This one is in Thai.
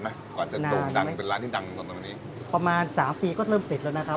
ไหมก่อนจะโดนดังเป็นร้านที่ดังตรงตรงตรงนี้ประมาณสามปีก็เริ่มติดแล้วนะครับ